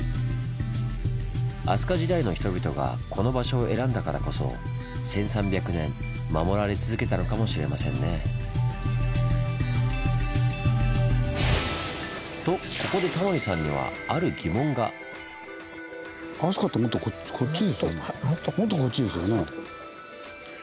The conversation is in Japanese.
飛鳥時代の人々がこの場所を選んだからこそ１３００年守られ続けたのかもしれませんね。とここでタモリさんにはもっとこっち。